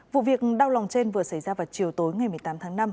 vụ việc đau lòng trên vừa xảy ra vào chiều tối ngày một mươi tám tháng năm